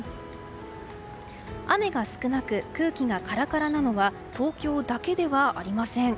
雨が少なく空気がカラカラなのは東京だけではありません。